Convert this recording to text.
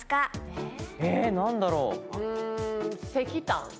ええ何だろう石炭？